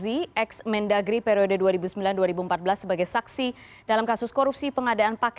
ya terima kasih